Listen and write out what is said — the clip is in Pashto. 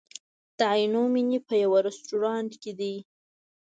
د عینومېنې په یوه رستورانت کې ده.